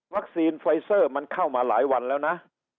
ไฟเซอร์มันเข้ามาหลายวันแล้วนะ